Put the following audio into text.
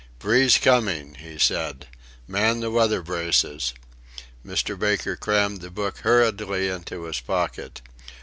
"Breeze coming," he said, "Man the weather braces." Mr. Baker crammed the book hurriedly into his pocket.